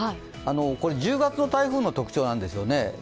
これ１０月の台風の特徴なんですよね。